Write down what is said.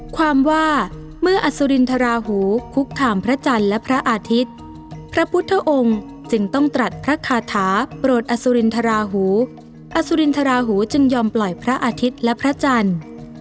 ความว่าเมื่ออสุรินทราหูคุกคามพระจันทร์และพระอาทิตย์พระพุทธองค์จึงต้องตรัสพระคาถาโปรดอสุรินทราหูอสุรินทราหูจึงยอมปล่อยพระอาทิตย์และพระจันทร์